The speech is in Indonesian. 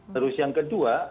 terus yang kedua